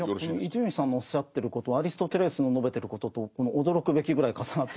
伊集院さんのおっしゃってることアリストテレスの述べてることと驚くべきぐらい重なってるところがあって。